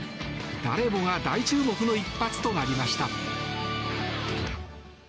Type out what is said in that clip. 誰もが大注目の一発となりました。